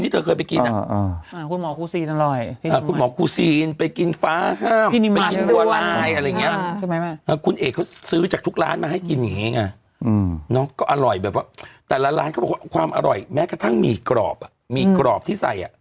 แต่ละร้านเขาบอกว่าความอร่อยแม้กระทั่งหมี่กรอบอ่ะหมี่กรอบที่ใส่อ่ะ